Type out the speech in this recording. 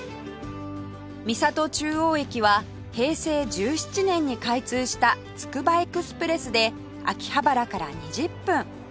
三郷中央駅は平成１７年に開通したつくばエクスプレスで秋葉原から２０分